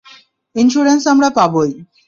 Insurance আমরা পাবোই।